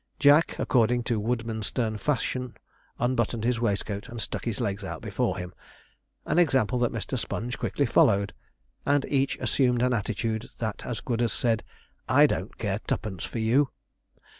Jack, according to Woodmansterne fashion, unbuttoned his waistcoat, and stuck his legs out before him an example that Mr. Sponge quickly followed, and each assumed an attitude that as good as said 'I don't care twopence for you.'